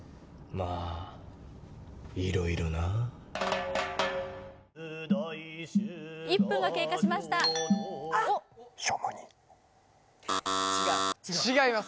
まあ色々な１分が経過しました違う違います